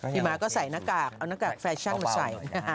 มาก็ใส่หน้ากากเอาหน้ากากแฟชั่นมาใส่